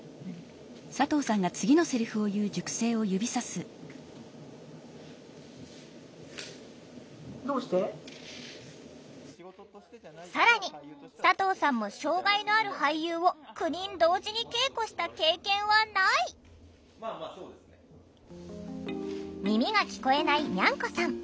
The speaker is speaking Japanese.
しかし更に佐藤さんも障害のある俳優を９人同時に稽古した経験はない耳が聞こえないＮｙａｎｋｏさん。